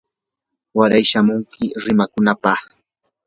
waray shamunki rimakunapaq.